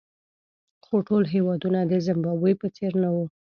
خو ټول هېوادونه د زیمبابوې په څېر نه وو.